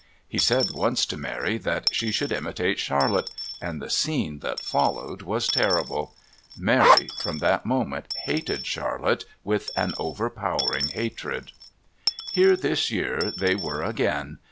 He said once to Mary that she should imitate Charlotte, and the scene that followed was terrible. Mary, from that moment, hated Charlotte with an overpowering hatred. Here this year they were again.